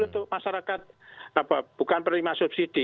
untuk masyarakat bukan penerima subsidi